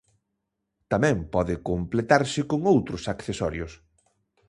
Tamén pode completarse con outros accesorios.